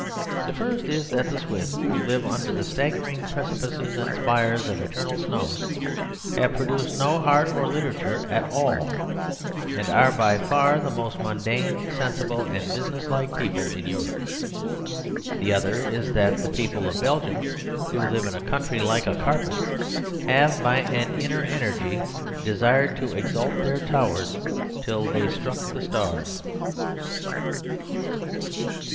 The first is that the Swiss, who live under staggering precipices and spires of eternal snow, have produced no art or literature at all, and are by far the most mundane, sensible, and business like people in Europe. The other is that the people of Belgium, who live in a country like a carpet, have, by an inner energy, desired to exalt their towers till they struck the stars.